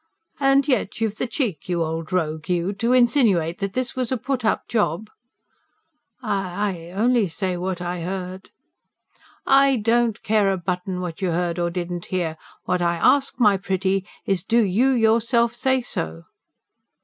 "And yet you've the cheek, you old rogue you, to insinuate that this was a put up job?" "I ... I only say what I heard." "I don't care a button what you heard or didn't hear. What I ask, my pretty, is do you yourself say so?"